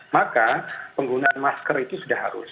maka penggunaan masker itu sudah harus